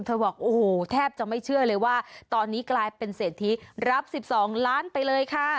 บอกโอ้โหแทบจะไม่เชื่อเลยว่าตอนนี้กลายเป็นเศรษฐีรับ๑๒ล้านไปเลยค่ะ